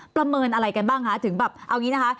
ประเมินอะไรกันบ้างคะถึงแบบเอาอย่างนี้นะคะ